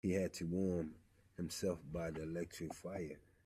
He had to warm himself by the electric fire